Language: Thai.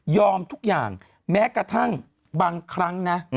ทุกอย่างแม้กระทั่งบางครั้งนะ